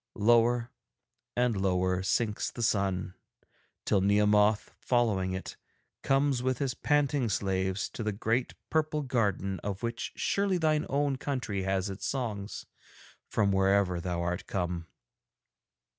Lower and lower sinks the sun, till Nehemoth, following it, comes with his panting slaves to the great purple garden of which surely thine own country has its songs, from wherever thou art come.